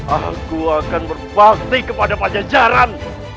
aku akan berbakti kepada pajajaran